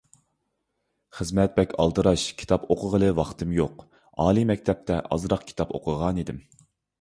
خىزمەت بەك ئالدىراش، كىتاب ئوقۇغىلى ۋاقتىم يوق، ئالىي مەكتەپتە ئازراق كىتاب ئوقۇغانىدىم.